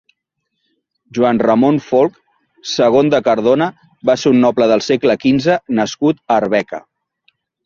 Joan Ramon Folc segon de Cardona va ser un noble del segle quinze nascut a Arbeca.